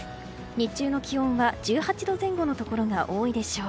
日中の気温は１８度前後のところが多いでしょう。